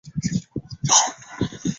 李寻也喜欢甘忠可的学说。